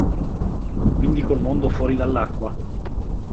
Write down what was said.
Quindi col mondo fuori dall'acqua.